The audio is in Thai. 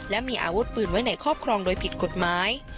และมีอาวุธปืนไว้ในครอบครองโดยผิดกฎหมาย